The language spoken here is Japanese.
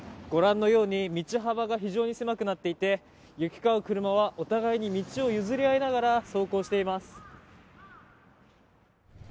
ご覧のように、道幅が非常に狭くなっていて、行き交う車はお互いに道を譲り合いながら走行しています。